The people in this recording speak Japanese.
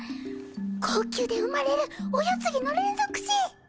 後宮で生まれるお世継ぎの連続死。